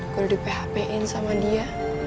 gue udah di php in sama dia